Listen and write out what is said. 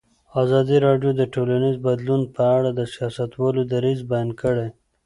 ازادي راډیو د ټولنیز بدلون په اړه د سیاستوالو دریځ بیان کړی.